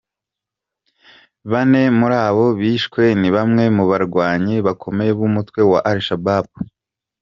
Bane muri abo bishwe ni bamwe mu barwanyi bakomeye b’umutwe wa Al Shabaab.